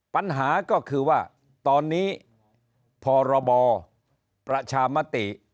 ปัญหาก็คือว่าตอนนี้พรบประชามติ